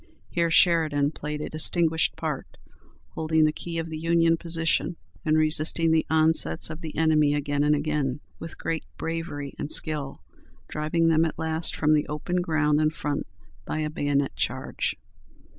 Here Sheridan played "a distinguished part, holding the key of the Union position, and resisting the onsets of the enemy again and again, with great bravery and skill, driving them at last from the open ground in front by a bayonet charge.